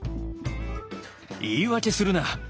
「言い訳するな。